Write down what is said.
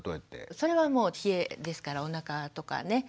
それはもう冷えですからおなかとかね